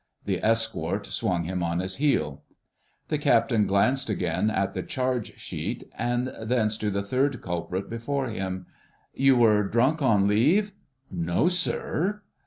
The escort swung him on his heel. The Captain glanced again at the charge sheet and thence to the third culprit before him. "You were drunk on leave?" "No, sir."